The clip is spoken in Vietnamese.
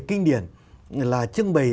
kinh điển là trưng bày